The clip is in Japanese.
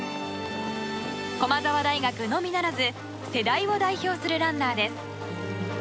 駒澤大学のみならず世代を代表するランナーです。